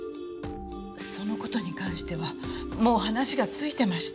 そのことに関してはもう話がついてました。